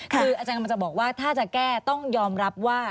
คืออาจารย์กำลังจะบอกว่าถ้าจะแก้ต้องยอมรับว่า